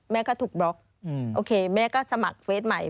แม่ก็ถูกบล็อกโอเคแม่ก็สมัครเฟสใหม่